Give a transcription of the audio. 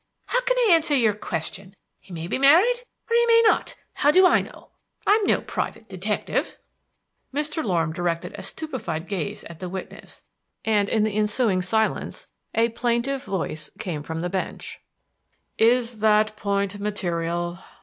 "How can I answer your question? He may be married or he may not. How do I know? I'm no private detective." Mr. Loram directed a stupefied gaze at the witness, and in the ensuing silence a plaintiff [Transcriber's note: plaintive?] voice came from the bench: "Is that point material?"